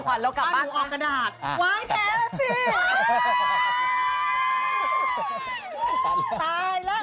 ก็ต้องคิดต้องจุบด้วยแหละ